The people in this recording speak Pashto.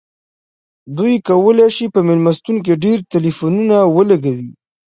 دوی کولی شي په میلمستون کې ډیر ټیلیفونونه ولګوي